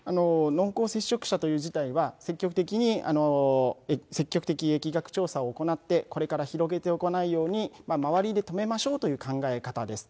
濃厚接触者という自体は、積極的疫学調査を行って、これから広げていかないように、周りで止めましょうという考え方です。